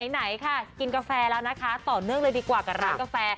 ไหนค่ะกินกาแฟแล้วนะคะต่อเนื่องเลยดีกว่ากับร้านกาแฟ